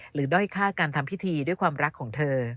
ด้อยค่าการทำพิธีด้วยความรักของเธอ